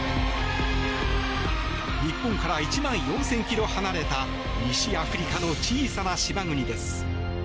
日本から１万４０００ｋｍ離れた西アフリカの小さな島国です。